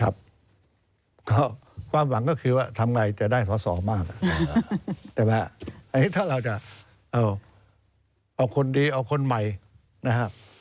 ครับความหวังก็คือว่าทำไงจะได้สอบมากถ้าเราจะเอาคนดีเอาคนใหม่นะครับ